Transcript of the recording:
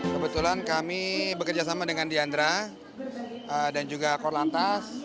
kebetulan kami bekerja sama dengan diandra dan juga kor lantas